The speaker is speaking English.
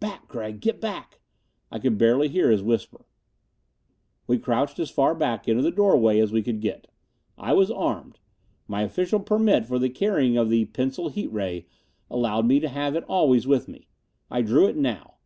"Back, Gregg! Get back!" I could barely hear his whisper. We crouched as far back into the doorway as we could get. I was armed. My official permit for the carrying of the pencil heat ray allowed me to have it always with me. I drew it now.